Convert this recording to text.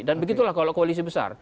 dan begitulah kalau koalisi besar